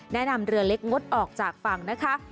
แนะนำเรือเล็กงดออกจากฝั่งนะคะ